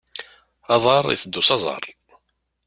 Aḍar, iteddu s aẓar.